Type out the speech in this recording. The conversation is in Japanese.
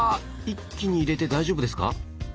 一気に入れて大丈夫ですか？